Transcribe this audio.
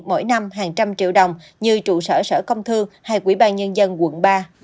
mỗi năm hàng trăm triệu đồng như trụ sở sở công thương hay quỹ ban nhân dân quận ba